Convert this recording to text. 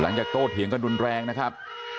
หลังจากโต้เทียงก็ดุลแรงนะครับ